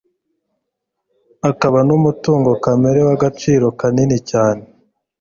ikaba n'umutungo kamere w'agaciro kanini cyane.